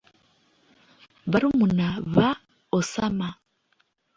Barumuna ba Osama